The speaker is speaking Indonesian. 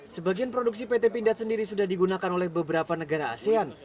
sebagian produksi pt pindad sendiri sudah digunakan oleh beberapa negara asean